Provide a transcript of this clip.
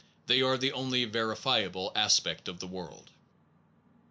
They are the only verifiable aspect of the word.